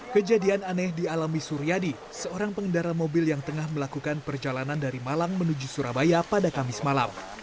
kejadian aneh dialami suryadi seorang pengendara mobil yang tengah melakukan perjalanan dari malang menuju surabaya pada kamis malam